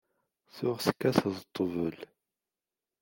Tuɣ tekkateḍ ṭṭbel.